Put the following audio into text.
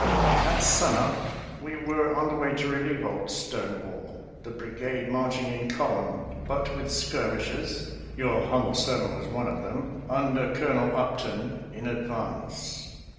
At sun up we were on the way to relieve old Stonewall, the brigade marching in column, but with skirmishers — ^your humble servant one of them — under Colonel Up ton, in advance.